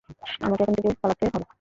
আমাকে এখান থেকে পালাতে হবে।